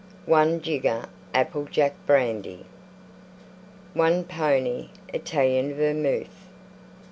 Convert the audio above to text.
1 jigger Apple Jack Brandy. 1 pony Italian Vermouth.